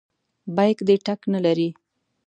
بیک دې ټک نه لري.